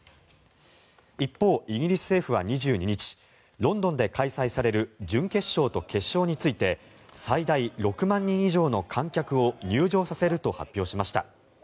一方、イギリス政府は２２日ロンドンで開催される準決勝と決勝について最大６万人以上の観客を入場させると発表しました。